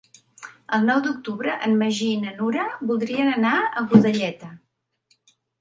El nou d'octubre en Magí i na Nura voldrien anar a Godelleta.